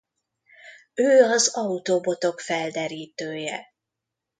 Ő az Autobotok felderítője.